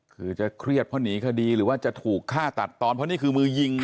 คือจะเครียดเพราะหนีคดีหรือว่าจะถูกฆ่าตัดตอนเพราะนี่คือมือยิง